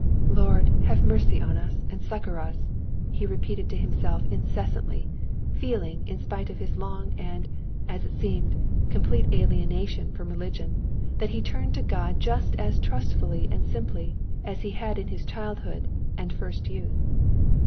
"Lord, have mercy on us, and succor us!" he repeated to himself incessantly, feeling, in spite of his long and, as it seemed, complete alienation from religion, that he turned to God just as trustfully and simply as he had in his childhood and first youth.